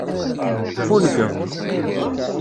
Ffungeḍ.